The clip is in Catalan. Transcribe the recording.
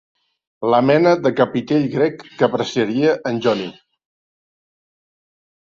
La mena de capitell grec que apreciaria en Johnny.